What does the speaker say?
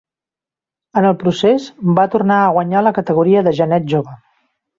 En el procés, va tornar a guanyar la categoria de genet jove.